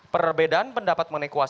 perbedaan pendapat meneku